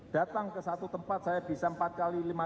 datang ke satu tempat saya bisa empat kali lima kali enam kali